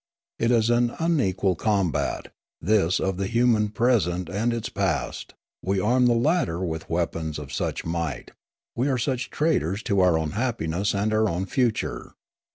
It is an unequal combat, this of the human present with its past ; we arm the latter with weapons of such might, we are such traitors to our own happiness and our own future.